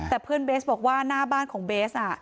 แต่เพื่อนเบสบอกว่าหน้าบ้านของเบส